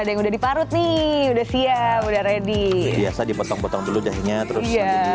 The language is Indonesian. ada yang udah diparut nih udah siap udah ready biasa dipotong potong dulu jahinya terus